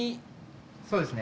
そうですね